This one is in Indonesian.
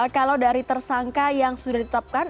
kalau dari tersangka yang sudah ditetapkan